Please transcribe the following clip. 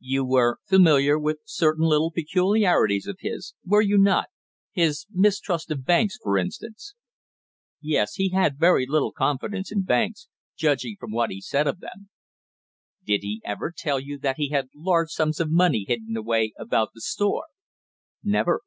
"You were familiar with certain little peculiarities of his, were you not, his mistrust of banks for instance?" "Yes, he had very little confidence in banks, judging from what he said of them." "Did he ever tell you that he had large sums of money hidden away about the store?" "Never."